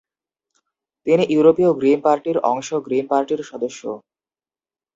তিনি ইউরোপীয় গ্রীন পার্টির অংশ গ্রীন পার্টির সদস্য।